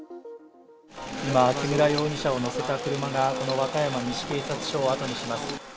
今、木村容疑者を乗せた車が和歌山西警察署をあとにします。